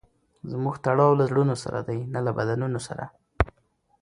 زموږ تړاو له زړونو سره دئ؛ نه له بدنونو سره.